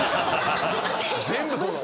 すいません。